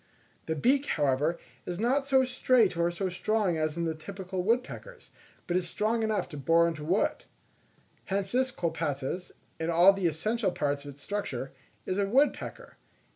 The beak, however, is not so straight or so strong as in the typical woodpeckers but it is strong enough to bore into wood. Hence this Colaptes, in all the essential parts of its structure, is a woodpecker.